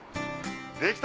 できた！